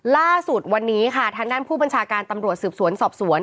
ล่าสุดวันนี้ค่ะทางด้านผู้บัญชาการตำรวจสืบสวนสอบสวน